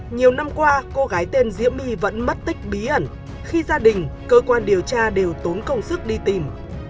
nhiều năm qua cô gái tên diễm my vẫn mất tích bí ẩn khi gia đình cơ quan điều tra đều tốn công sức đi tìm